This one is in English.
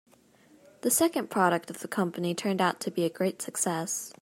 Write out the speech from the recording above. The second product of the company turned out to be a great success.